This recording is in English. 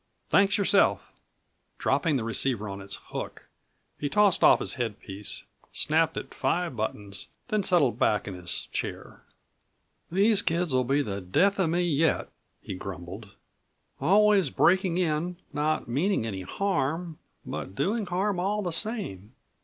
Thanks, yourself." Dropping the receiver on its hook he tossed off his headpiece, snapped at five buttons, then settled back in his chair. "These kids'll be the death of me yet," he grumbled. "Always breaking in, not meaning any harm but doing harm all the same.